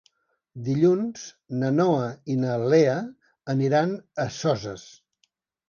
Dilluns na Noa i na Lea aniran a Soses.